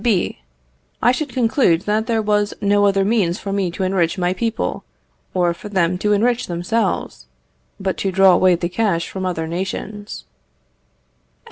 B. I should conclude that there was no other means for me to enrich my people, or for them to enrich themselves, but to draw away the cash from other nations.